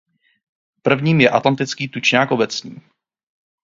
Prvním je atlantický tuňák obecný.